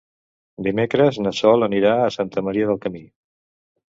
Dimecres na Sol anirà a Santa Maria del Camí.